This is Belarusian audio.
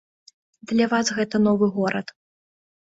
Для вас гэта новы горад.